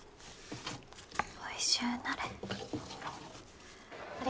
おいしゅうなれ。